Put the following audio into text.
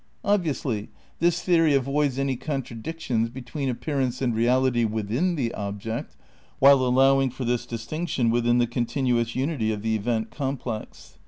Obviously, this theory avoids any contradiction between appearance and reality within the object, while allow ing for this distinction within the continuous unity of the event complex.